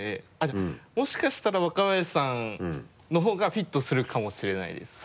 じゃあもしかしたら若林さんのほうがフィットするかもしれないです